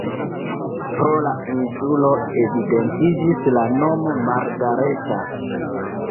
Pro la insulo evidentiĝis la nomo Margareta.